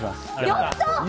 やった！